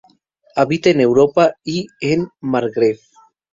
Habita en Europa y en el Magreb.